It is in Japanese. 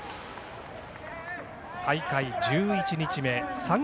大会１１日目。